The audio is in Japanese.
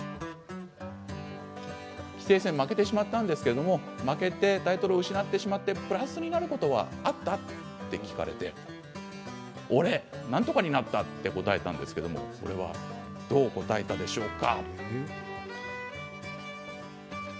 棋聖戦、負けてしまったんですけれども負けてタイトルを失ってしまってプラスになることはあった？と聞かれて俺、なんとかになったと答えたんですけどどう答えたでしょうか？